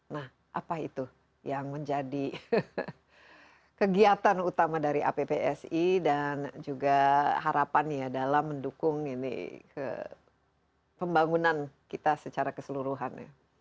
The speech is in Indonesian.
nah apa itu yang menjadi kegiatan utama dari appsi dan juga harapan ya dalam mendukung ini pembangunan kita secara keseluruhan ya